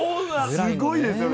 すごいですよね？